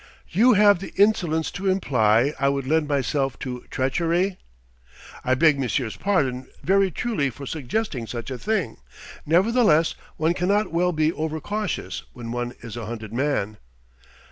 "You have the insolence to imply I would lend myself to treachery!" "I beg monsieur's pardon very truly for suggesting such a thing. Nevertheless, one cannot well be overcautious when one is a hunted man."